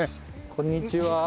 こんにちは。